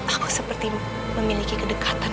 aku seperti memiliki kedekatan